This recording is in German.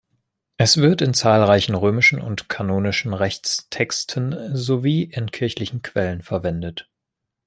Es wird in zahlreichen römischen und kanonischen Rechtstexten sowie in kirchlichen Quellen verwendet.